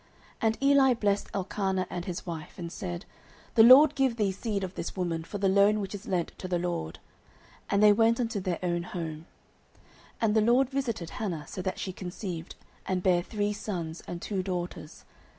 09:002:020 And Eli blessed Elkanah and his wife, and said, The LORD give thee seed of this woman for the loan which is lent to the LORD. And they went unto their own home. 09:002:021 And the LORD visited Hannah, so that she conceived, and bare three sons and two daughters.